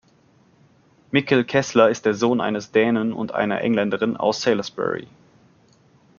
Mikkel Kessler ist der Sohn eines Dänen und einer Engländerin aus Salisbury.